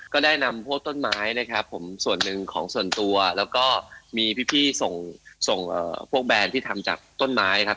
ก็ได้นำพวกต้นไม้นะครับผมส่วนหนึ่งของส่วนตัวแล้วก็มีพี่ส่งส่งพวกแบรนด์ที่ทำจากต้นไม้ครับ